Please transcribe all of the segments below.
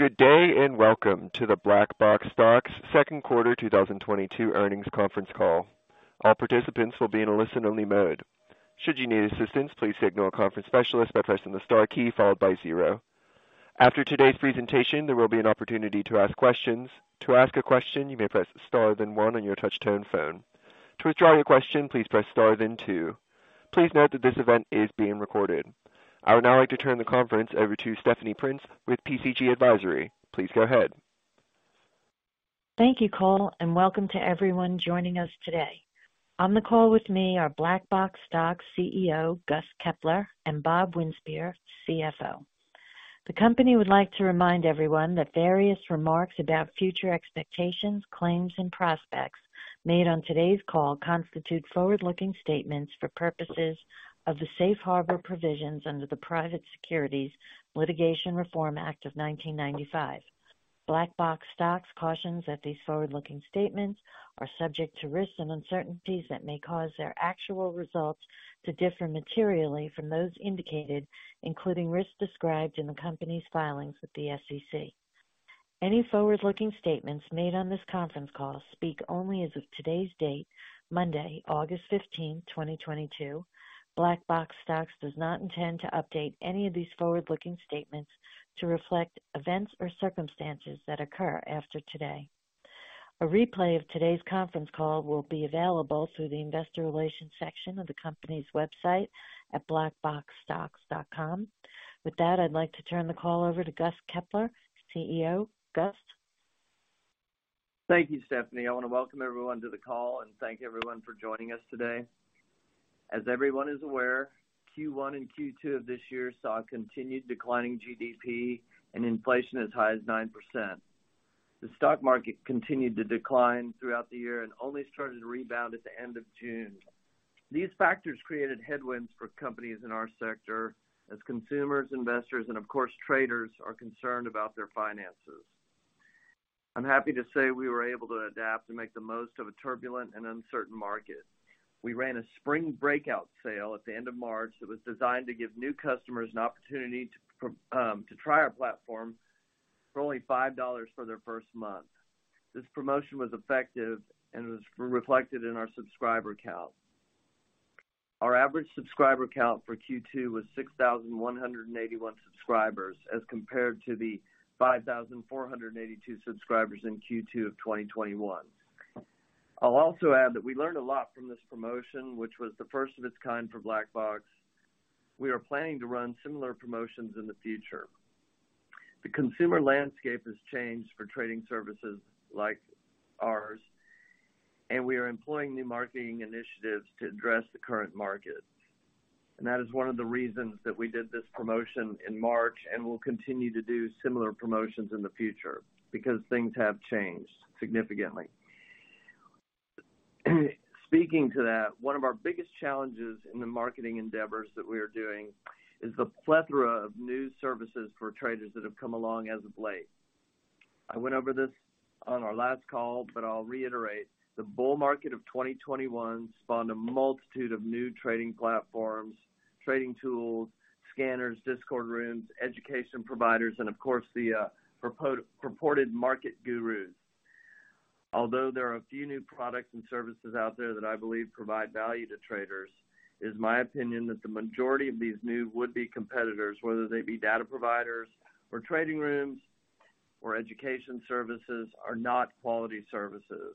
Good day, and welcome to the Blackboxstocks Q2 2022 earnings conference call. All participants will be in a listen-only mode. Should you need assistance, please signal a conference specialist by pressing the star key followed by zero. After today's presentation, there will be an opportunity to ask questions. To ask a question, you may press star then one on your touch-tone phone. To withdraw your question, please press star then two. Please note that this event is being recorded. I would now like to turn the conference over to Stephanie Prince with PCG Advisory. Please go ahead. Thank you, Cole, and welcome to everyone joining us today. On the call with me are Blackboxstocks CEO, Gust Kepler, and Bob Winspear, CFO. The company would like to remind everyone that various remarks about future expectations, claims and prospects made on today's call constitute forward-looking statements for purposes of the safe harbor provisions under the Private Securities Litigation Reform Act of 1995. Blackboxstocks cautions that these forward-looking statements are subject to risks and uncertainties that may cause their actual results to differ materially from those indicated, including risks described in the company's filings with the SEC. Any forward-looking statements made on this conference call speak only as of today's date, Monday, August 15, 2022. Blackboxstocks does not intend to update any of these forward-looking statements to reflect events or circumstances that occur after today. A replay of today's conference call will be available through the investor relations section of the company's website at blackboxstocks.com. With that, I'd like to turn the call over to Gust Kepler, CEO. Gust? Thank you, Stephanie. I want to welcome everyone to the call and thank everyone for joining us today. As everyone is aware, Q1 and Q2 of this year saw a continued declining GDP and inflation as high as 9%. The stock market continued to decline throughout the year and only started to rebound at the end of June. These factors created headwinds for companies in our sector as consumers, investors, and of course, traders are concerned about their finances. I'm happy to say we were able to adapt to make the most of a turbulent and uncertain market. We ran a Spring Breakout Sale at the end of March that was designed to give new customers an opportunity to try our platform for only $5 for their first month. This promotion was effective and was reflected in our subscriber count. Our average subscriber count for Q2 was 6,181 subscribers as compared to the 5,482 subscribers in Q2 of 2021. I'll also add that we learned a lot from this promotion, which was the first of its kind for Blackboxstocks. We are planning to run similar promotions in the future. The consumer landscape has changed for trading services like ours, and we are employing new marketing initiatives to address the current market. That is one of the reasons that we did this promotion in March and will continue to do similar promotions in the future, because things have changed significantly. Speaking to that, one of our biggest challenges in the marketing endeavors that we are doing is the plethora of new services for traders that have come along as of late. I went over this on our last call, but I'll reiterate. The bull market of 2021 spawned a multitude of new trading platforms, trading tools, scanners, Discord rooms, education providers, and of course, the purported market gurus. Although there are a few new products and services out there that I believe provide value to traders, it is my opinion that the majority of these new would-be competitors, whether they be data providers or trading rooms or education services, are not quality services.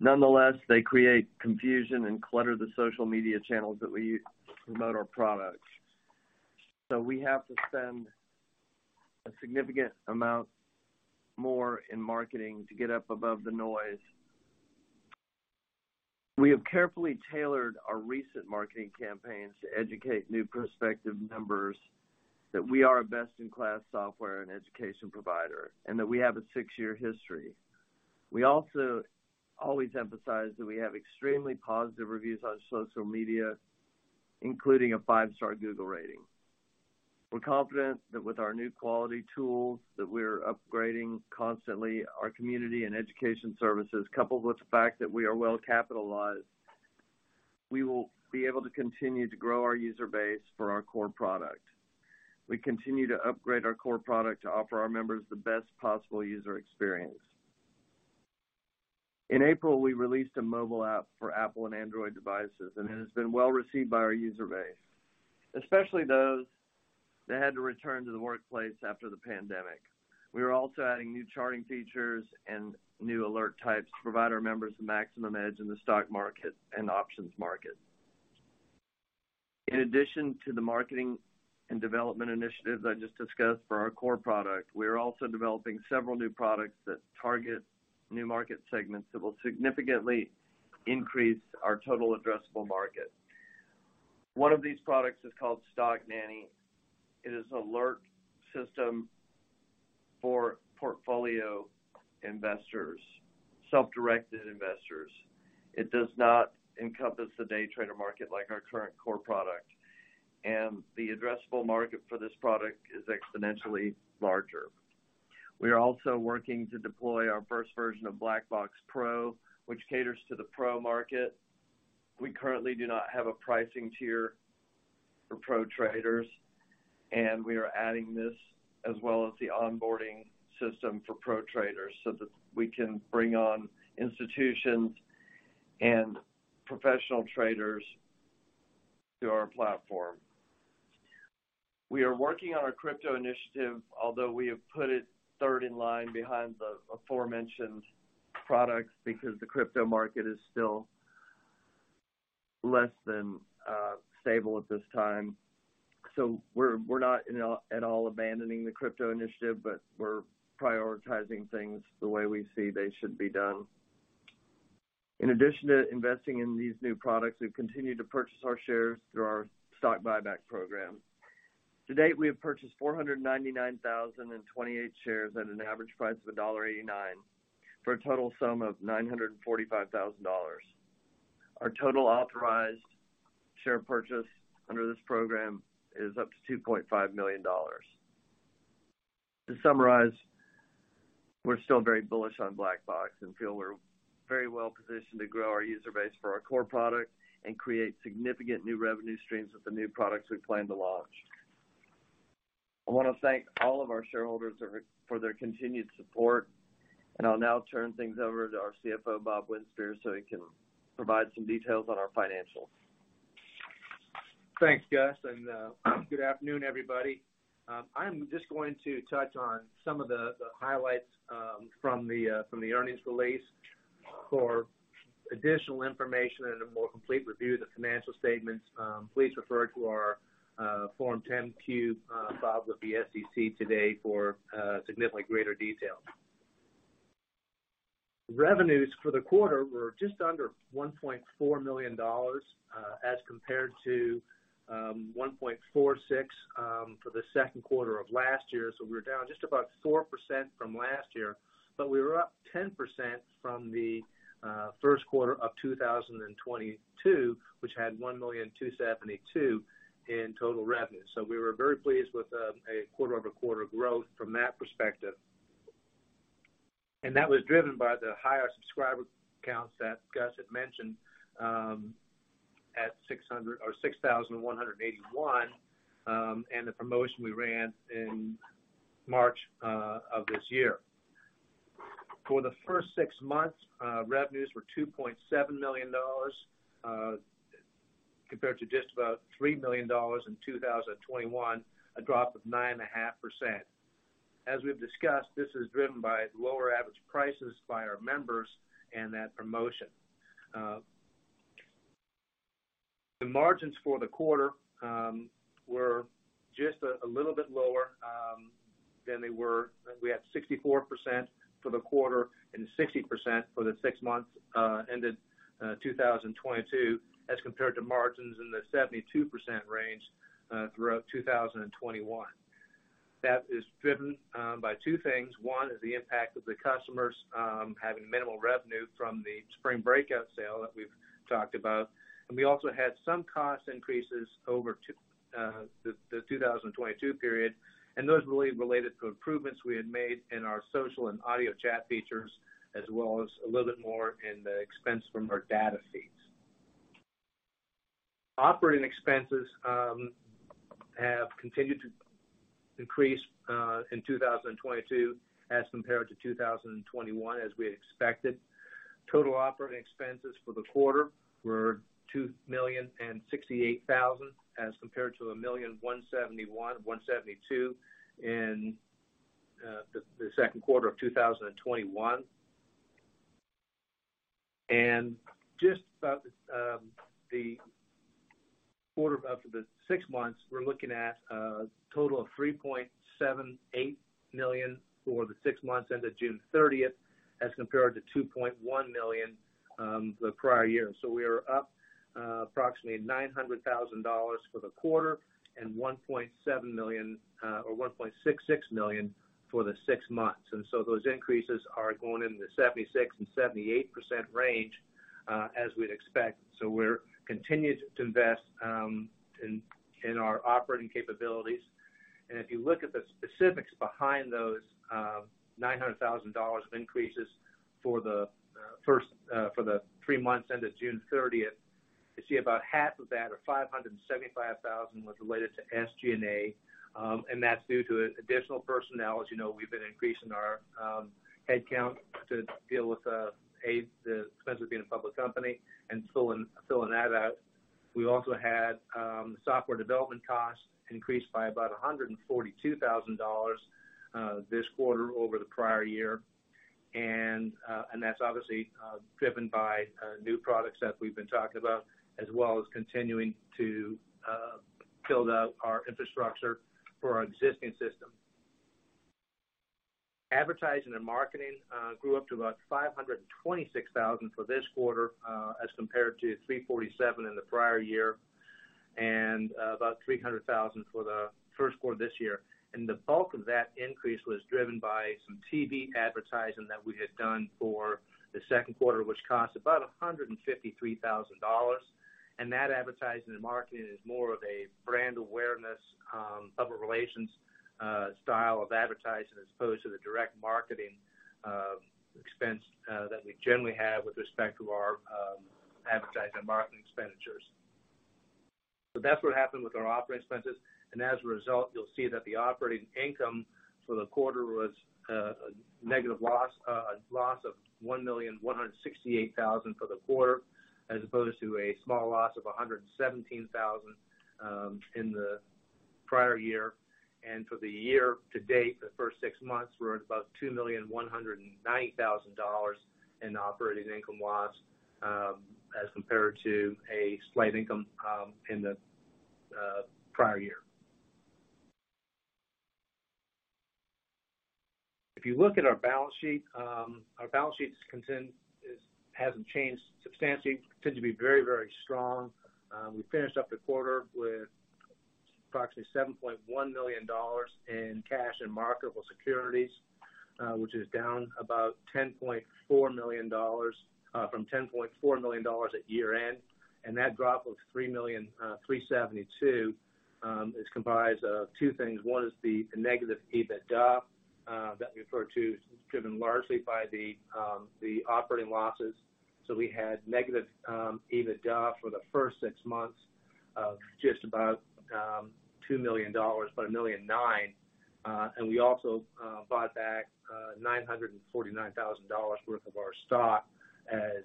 Nonetheless, they create confusion and clutter the social media channels that we use to promote our products. We have to spend a significant amount more in marketing to get up above the noise. We have carefully tailored our recent marketing campaigns to educate new prospective members that we are a best-in-class software and education provider, and that we have a six-year history. We also always emphasize that we have extremely positive reviews on social media, including a five-star Google rating. We're confident that with our new quality tools that we're upgrading constantly our community and education services, coupled with the fact that we are well-capitalized, we will be able to continue to grow our user base for our core product. We continue to upgrade our core product to offer our members the best possible user experience. In April, we released a mobile app for Apple and Android devices, and it has been well received by our user base, especially those that had to return to the workplace after the pandemic. We are also adding new charting features and new alert types to provide our members the maximum edge in the stock market and options market. In addition to the marketing and development initiatives I just discussed for our core product, we are also developing several new products that target new market segments that will significantly increase our total addressable market. One of these products is called Stock Nanny. It is an alert system for portfolio investors, self-directed investors. It does not encompass the day trader market like our current core product, and the addressable market for this product is exponentially larger. We are also working to deploy our first version of Black Box Pro, which caters to the pro market. We currently do not have a pricing tier for pro traders, and we are adding this as well as the onboarding system for pro traders so that we can bring on institutions and professional traders to our platform. We are working on our crypto initiative, although we have put it third in line behind the aforementioned products because the crypto market is still less than stable at this time. We're not at all abandoning the crypto initiative, but we're prioritizing things the way we see they should be done. In addition to investing in these new products, we've continued to purchase our shares through our stock buyback program. To date, we have purchased 499,028 shares at an average price of $1.89 for a total sum of $945,000. Our total authorized share purchase under this program is up to $2.5 million. To summarize, we're still very bullish on Blackboxstocks and feel we're very well positioned to grow our user base for our core product and create significant new revenue streams with the new products we plan to launch. I want to thank all of our shareholders for their continued support. I'll now turn things over to our CFO, Bob Winspear, so he can provide some details on our financials. Thanks, Gus, and good afternoon, everybody. I'm just going to touch on some of the highlights from the earnings release. For additional information and a more complete review of the financial statements, please refer to our Form 10-Q filed with the SEC today for significantly greater detail. Revenues for the quarter were just under $1.4 million as compared to $1.46 million for the Q2 of last year. We're down just about 4% from last year, but we were up 10% from the Q1 of 2022, which had $1.272 million in total revenue. We were very pleased with a quarter-over-quarter growth from that perspective. That was driven by the higher subscriber counts that Gust Kepler had mentioned at 600 or 6,181 and the promotion we ran in March of this year. For the first six months, revenues were $2.7 million compared to just about $3 million in 2021, a drop of 9.5%. As we've discussed, this is driven by lower average prices by our members and that promotion. The margins for the quarter were just a little bit lower than they were. We had 64% for the quarter and 60% for the six months ended 2022, as compared to margins in the 72% range throughout 2021. That is driven by two things. One is the impact of the customers having minimal revenue from the Spring Breakout Sale that we've talked about. We also had some cost increases over the 2022 period, and those really related to improvements we had made in our social and audio chat features, as well as a little bit more in the expense from our data feeds. Operating expenses have continued to increase in 2022 as compared to 2021, as we had expected. Total operating expenses for the quarter were $2,068,000, as compared to $1,071,172 in the Q2 of 2021. After the six months, we're looking at a total of $3.78 million for the six months ended June 30, as compared to $2.1 million the prior year. We are up approximately $900,000 for the quarter and $1.7 million or $1.66 million for the six months. Those increases are going in the 76% and 78% range, as we'd expect. We're continuing to invest in our operating capabilities. If you look at the specifics behind those $900,000 of increases for the three months ended June 30th, you see about half of that, or $575,000, was related to SG&A. That's due to additional personnel. As you know, we've been increasing our headcount to deal with the expense of being a public company and filling that out. We also had software development costs increased by about $142,000 this quarter over the prior year. That's obviously driven by new products that we've been talking about, as well as continuing to build out our infrastructure for our existing system. Advertising and marketing grew up to about $526,000 for this quarter as compared to $347,000 in the prior year and about $300,000 for the Q1 this year. The bulk of that increase was driven by some TV advertising that we had done for the Q2, which cost about $153,000. That advertising and marketing is more of a brand awareness, public relations, style of advertising as opposed to the direct marketing. expense that we generally have with respect to our advertising and marketing expenditures. That's what happened with our operating expenses, and as a result, you'll see that the operating income for the quarter was a loss of $1.168 million for the quarter, as opposed to a small loss of $117,000 in the prior year. For the year to date, the first six months, we're at about $2.19 million in operating income loss, as compared to a slight income in the prior year. If you look at our balance sheet, our balance sheet's content hasn't changed substantially, continued to be very, very strong. We finished up the quarter with approximately $7.1 million in cash and marketable securities, which is down about $3.3 million from $10.4 million at year-end. That drop of $3.372 million is comprised of two things. One is the negative EBITDA that we refer to, driven largely by the operating losses. We had negative EBITDA for the first six months of just about $2 million, about $1.9 million. We also bought back $949 thousand worth of our stock, as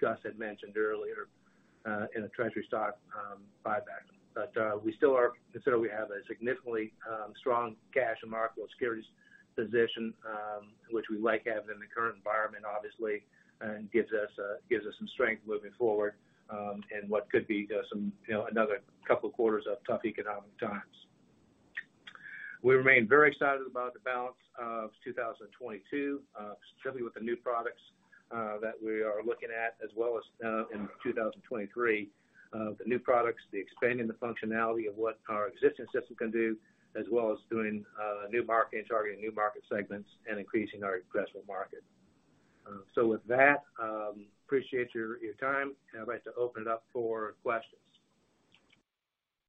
Gus had mentioned earlier, in a Treasury stock buyback. We consider we have a significantly strong cash and marketable securities position, which we like having in the current environment, obviously, and gives us some strength moving forward in what could be some you know another couple of quarters of tough economic times. We remain very excited about the balance of 2022 certainly with the new products that we are looking at as well as in 2023. The new products expanding the functionality of what our existing system can do as well as doing new marketing and targeting new market segments and increasing our aggressive marketing. With that appreciate your time. I'd like to open it up for questions.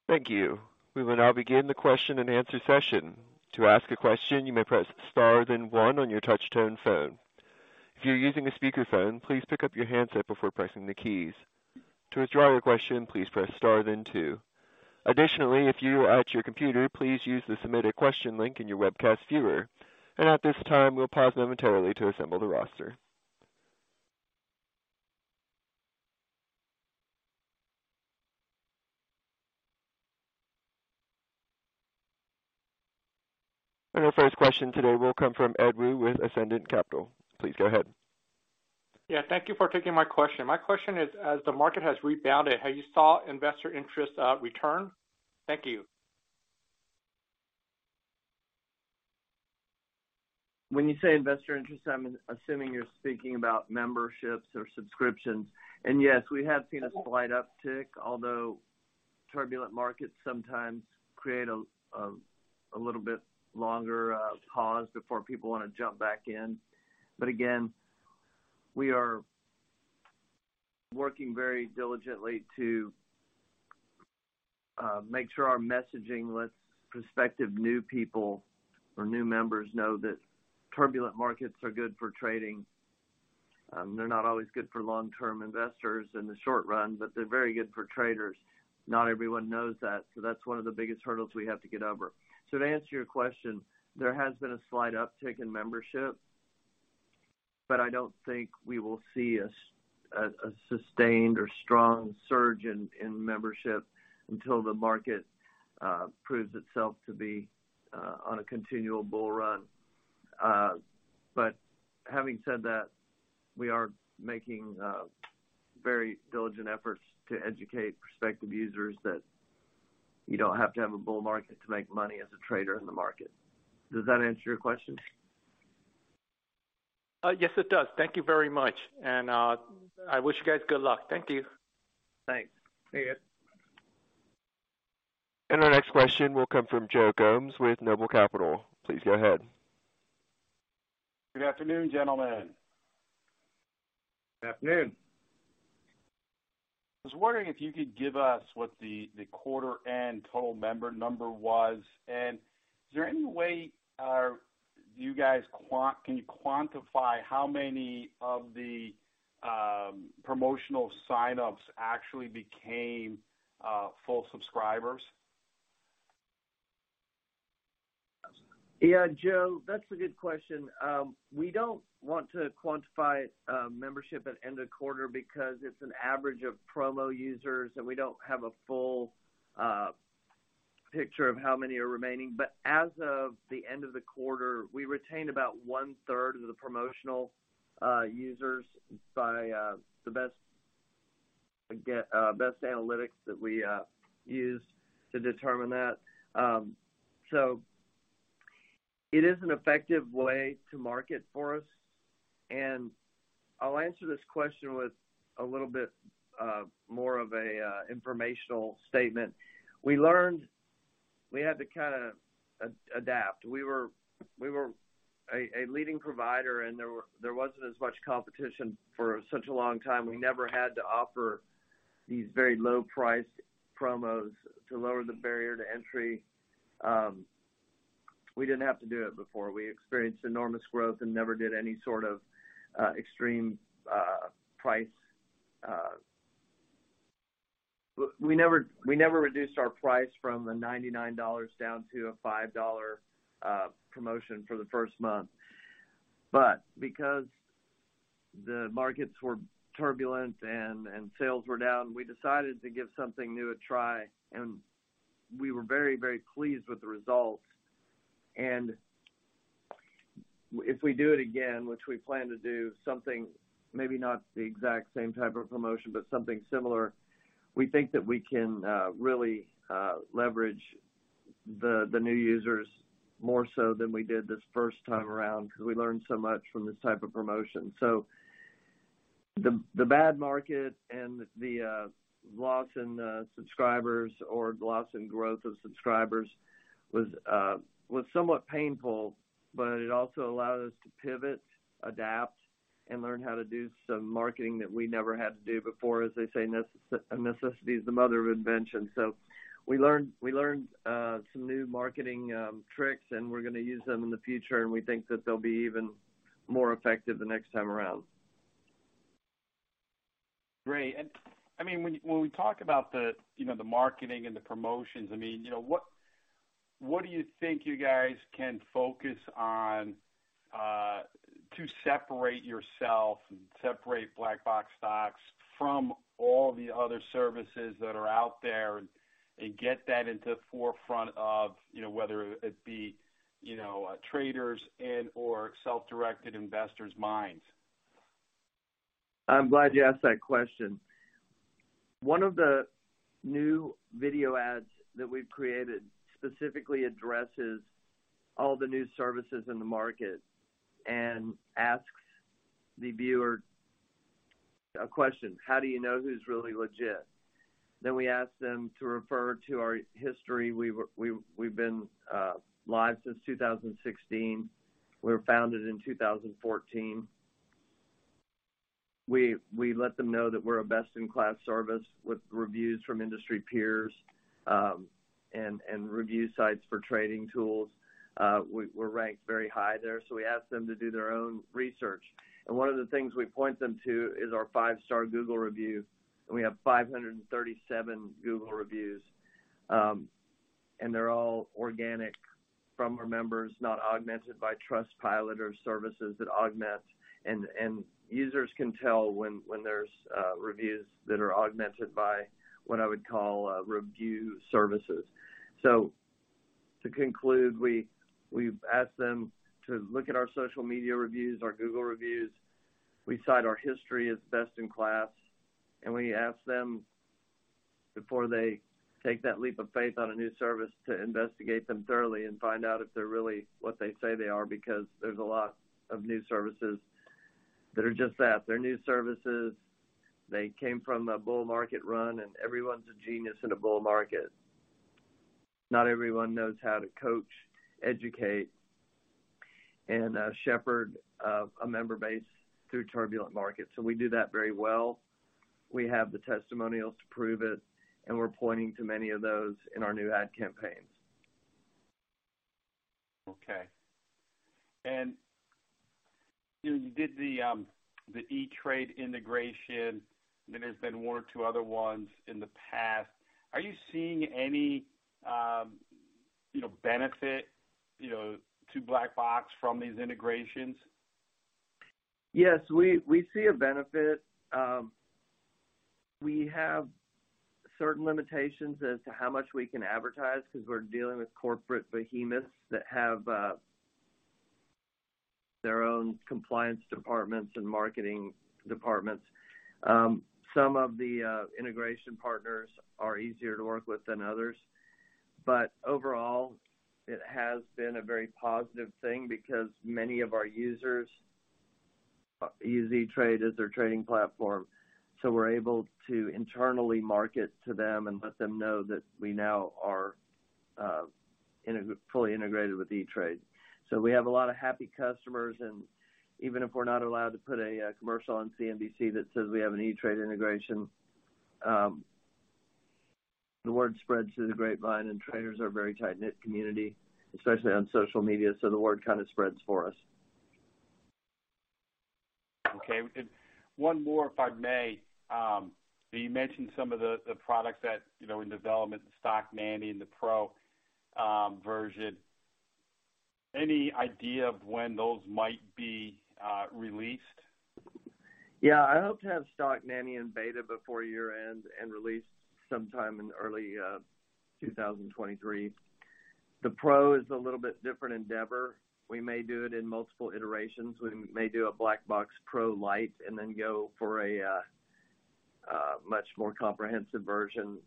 Thank you. We will now begin the question-and-answer session. To ask a question, you may press star then one on your touch-tone phone. If you're using a speakerphone, please pick up your handset before pressing the keys. To withdraw your question, please press star then two. Additionally, if you are at your computer, please use the Submit a Question link in your webcast viewer. At this time, we'll pause momentarily to assemble the roster. Our first question today will come from Edward Wu with Ascendiant Capital Markets. Please go ahead. Yeah. Thank you for taking my question. My question is, as the market has rebounded, have you saw investor interest, return? Thank you. When you say investor interest, I'm assuming you're speaking about memberships or subscriptions. Yes, we have seen a slight uptick, although turbulent markets sometimes create a little bit longer pause before people want to jump back in. Again, we are working very diligently to make sure our messaging lets prospective new people or new members know that turbulent markets are good for trading. They're not always good for long-term investors in the short run, but they're very good for traders. Not everyone knows that, so that's one of the biggest hurdles we have to get over. To answer your question, there has been a slight uptick in membership, but I don't think we will see a sustained or strong surge in membership until the market proves itself to be on a continual bull run. Having said that, we are making very diligent efforts to educate prospective users that you don't have to have a bull market to make money as a trader in the market. Does that answer your question? Yes, it does. Thank you very much. I wish you guys good luck. Thank you. Thanks. See you. Our next question will come from Joe Gomes with Noble Capital. Please go ahead. Good afternoon, gentlemen. Afternoon. I was wondering if you could give us what the quarter-end total member number was. Is there any way you guys can quantify how many of the promotional sign-ups actually became full subscribers? Yeah, Joe, that's a good question. We don't want to quantify membership at end of quarter because it's an average of promo users, and we don't have a full picture of how many are remaining. As of the end of the quarter, we retained about 1/3 of the promotional users by the best analytics that we use to determine that. It is an effective way to market for us, and I'll answer this question with a little bit more of a informational statement. We learned we had to kinda adapt. We were a leading provider, and there wasn't as much competition for such a long time. We never had to offer These very low price promos to lower the barrier to entry. We didn't have to do it before. We experienced enormous growth. We never reduced our price from a $99 down to a $5 promotion for the first month. Because the markets were turbulent and sales were down, we decided to give something new a try, and we were very, very pleased with the results. If we do it again, which we plan to do, something maybe not the exact same type of promotion, but something similar, we think that we can really leverage the new users more so than we did this first time around because we learned so much from this type of promotion. The bad market and the loss in subscribers or loss in growth of subscribers was somewhat painful, but it also allowed us to pivot, adapt, and learn how to do some marketing that we never had to do before. As they say, necessity is the mother of invention. We learned some new marketing tricks, and we're gonna use them in the future, and we think that they'll be even more effective the next time around. Great. I mean, when we talk about the, you know, the marketing and the promotions, I mean, you know, what do you think you guys can focus on to separate yourself and separate Blackboxstocks from all the other services that are out there and get that into the forefront of, you know, whether it be, you know, traders and/or self-directed investors' minds? I'm glad you asked that question. One of the new video ads that we've created specifically addresses all the new services in the market and asks the viewer a question: How do you know who's really legit? Then we ask them to refer to our history. We've been live since 2016. We were founded in 2014. We let them know that we're a best-in-class service with reviews from industry peers and review sites for trading tools. We're ranked very high there, so we ask them to do their own research. One of the things we point them to is our five-star Google review, and we have 537 Google reviews, and they're all organic from our members, not augmented by Trustpilot or services that augment. Users can tell when there's reviews that are augmented by what I would call a review services. To conclude, we've asked them to look at our social media reviews, our Google reviews. We cite our history as best in class, and we ask them, before they take that leap of faith on a new service, to investigate them thoroughly and find out if they're really what they say they are, because there's a lot of new services that are just that. They're new services. They came from a bull market run, and everyone's a genius in a bull market. Not everyone knows how to coach, educate, and shepherd a member base through turbulent markets. We do that very well. We have the testimonials to prove it, and we're pointing to many of those in our new ad campaigns. Okay. You know, you did the E*TRADE integration, and there's been one or two other ones in the past. Are you seeing any, you know, benefit, you know, to Black Box from these integrations? Yes, we see a benefit. We have certain limitations as to how much we can advertise because we're dealing with corporate behemoths that have their own compliance departments and marketing departments. Some of the integration partners are easier to work with than others. Overall, it has been a very positive thing because many of our users use E*TRADE as their trading platform, so we're able to internally market to them and let them know that we now are fully integrated with E*TRADE. We have a lot of happy customers, and even if we're not allowed to put a commercial on CNBC that says we have an E*TRADE integration, the word spreads through the grapevine, and traders are a very tight-knit community, especially on social media, so the word kind of spreads for us. Okay. One more, if I may. You mentioned some of the products that, you know, in development, the Stock Nanny and the Pro version. Any idea of when those might be released? Yeah. I hope to have Stock Nanny in beta before year-end and released sometime in early 2023. The Pro is a little bit different endeavor. We may do it in multiple iterations. We may do a Black Box Pro Lite and then go for a much more comprehensive version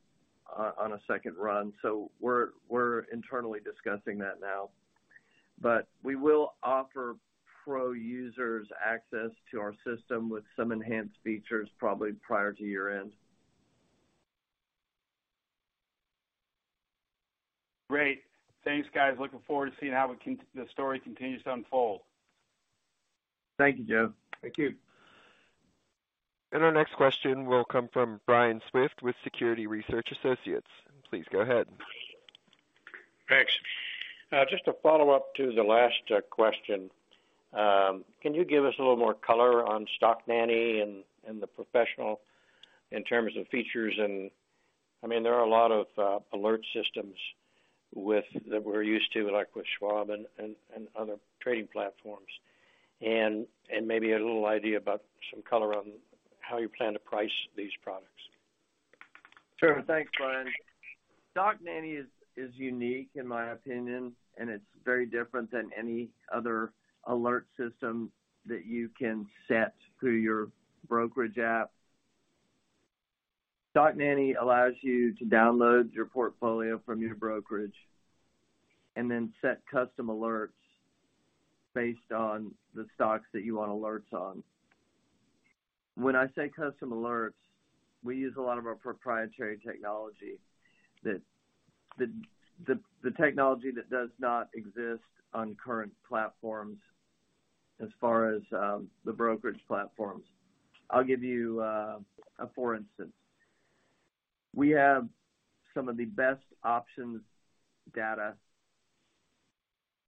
on a second run. We're internally discussing that now. We will offer Pro users access to our system with some enhanced features probably prior to year-end. Great. Thanks, guys. Looking forward to seeing how the story continues to unfold. Thank you, Joe. Thank you. Our next question will come from Brian Swift with Security Research Associates. Please go ahead. Thanks. Just to follow up to the last question. Can you give us a little more color on Stock Nanny and the professional in terms of features and. I mean, there are a lot of alert systems that we're used to, like with Schwab and other trading platforms. Maybe a little idea about some color on how you plan to price these products. Sure. Thanks, Brian. Stock Nanny is unique in my opinion, and it's very different than any other alert system that you can set through your brokerage app. Stock Nanny allows you to download your portfolio from your brokerage and then set custom alerts based on the stocks that you want alerts on. When I say custom alerts, we use a lot of our proprietary technology that the technology that does not exist on current platforms as far as the brokerage platforms. I'll give you a for instance. We have some of the best options data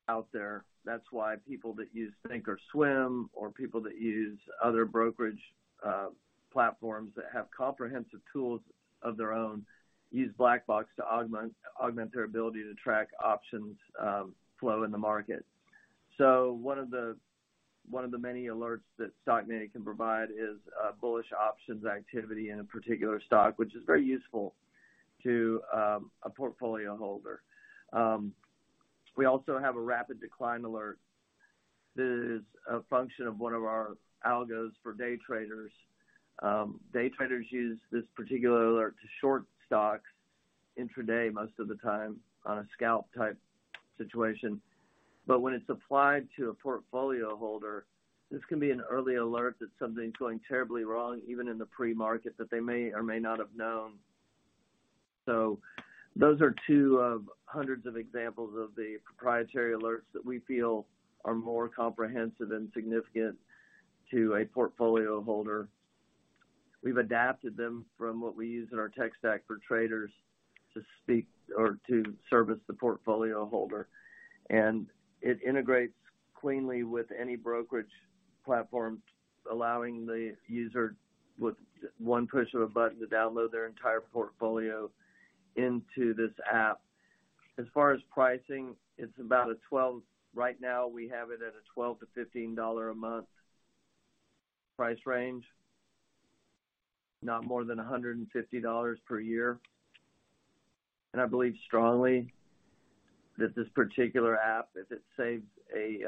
out there. That's why people that use thinkorswim or people that use other brokerage platforms that have comprehensive tools of their own use Blackboxstocks to augment their ability to track options flow in the market. One of the many alerts that Stock Nanny can provide is bullish options activity in a particular stock, which is very useful to a portfolio holder. We also have a rapid decline alert that is a function of one of our algos for day traders. Day traders use this particular alert to short stocks intraday most of the time on a scalp type situation. When it's applied to a portfolio holder, this can be an early alert that something's going terribly wrong, even in the pre-market that they may or may not have known. Those are two of hundreds of examples of the proprietary alerts that we feel are more comprehensive and significant to a portfolio holder. We've adapted them from what we use in our tech stack for traders to speak or to service the portfolio holder, and it integrates cleanly with any brokerage platform, allowing the user, with one push of a button, to download their entire portfolio into this app. As far as pricing, it's about a 12- right now, we have it at a $12-$15 a month price range, not more than $150 per year. I believe strongly that this particular app, if it saves a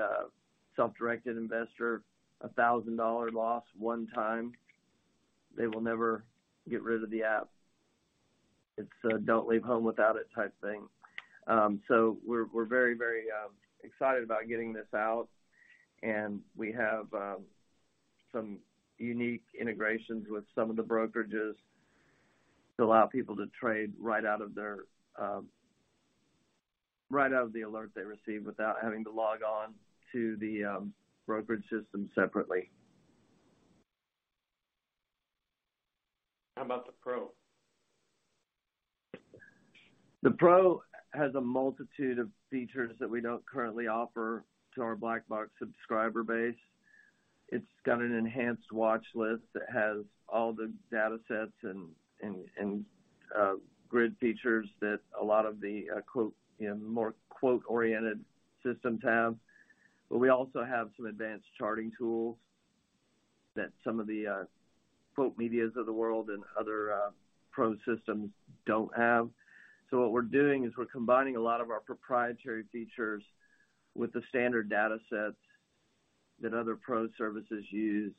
self-directed investor a $1,000 loss one time, they will never get rid of the app. It's a don't leave home without it type thing. We're very excited about getting this out, and we have some unique integrations with some of the brokerages to allow people to trade right out of the alert they receive without having to log on to the brokerage system separately. How about the Pro? The Pro has a multitude of features that we don't currently offer to our BlackBox subscriber base. It's got an enhanced watch list that has all the datasets and grid features that a lot of the quote, you know, more quote oriented systems have. We also have some advanced charting tools that some of the quote medias of the world and other pro systems don't have. What we're doing is we're combining a lot of our proprietary features with the standard datasets that other pro services use.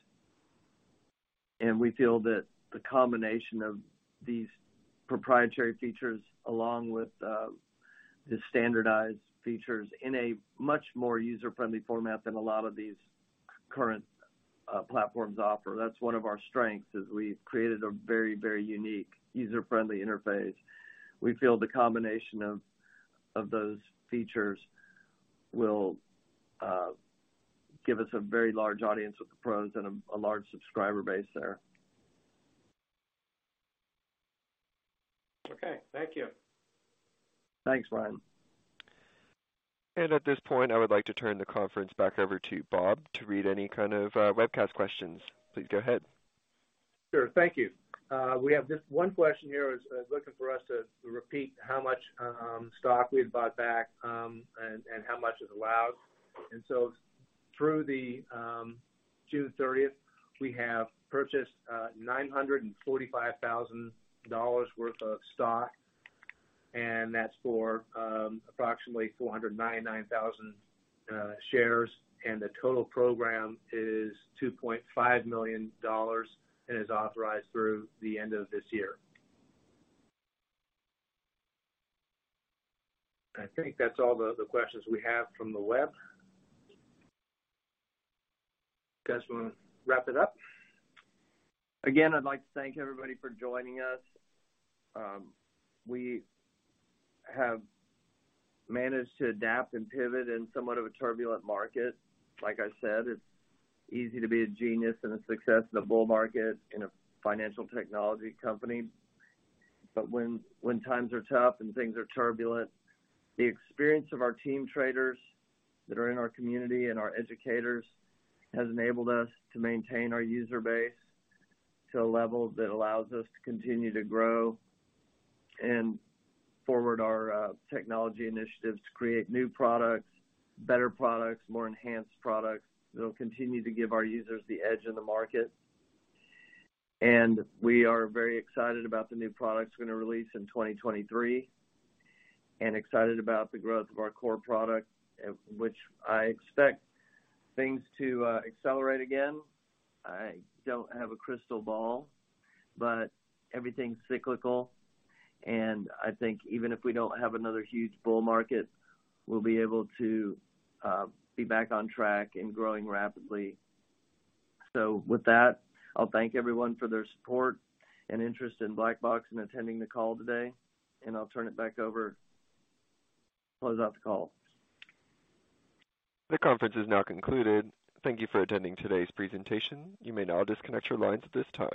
We feel that the combination of these proprietary features, along with the standardized features in a much more user-friendly format than a lot of these current platforms offer. That's one of our strengths, is we've created a very, very unique, user-friendly interface. We feel the combination of those features will give us a very large audience with the pros and a large subscriber base there. Okay. Thank you. Thanks, Brian. At this point, I would like to turn the conference back over to Bob to read any kind of webcast questions. Please go ahead. Sure. Thank you. We have this one question here is looking for us to repeat how much stock we've bought back and how much is allowed. Through June 30th, we have purchased $945,000 worth of stock, and that's for approximately 499,000 shares. The total program is $2.5 million and is authorized through the end of this year. I think that's all the questions we have from the web. You guys wanna wrap it up? Again, I'd like to thank everybody for joining us. We have managed to adapt and pivot in somewhat of a turbulent market. Like I said, it's easy to be a genius and a success in a bull market in a financial technology company. But when times are tough and things are turbulent, the experience of our team traders that are in our community and our educators has enabled us to maintain our user base to a level that allows us to continue to grow and forward our technology initiatives to create new products, better products, more enhanced products that'll continue to give our users the edge in the market. We are very excited about the new products we're gonna release in 2023 and excited about the growth of our core product, which I expect things to accelerate again. I don't have a crystal ball, but everything's cyclical, and I think even if we don't have another huge bull market, we'll be able to be back on track and growing rapidly. With that, I'll thank everyone for their support and interest in Blackboxstocks and attending the call today, and I'll turn it back over, close out the call. The conference is now concluded. Thank you for attending today's presentation. You may now disconnect your lines at this time.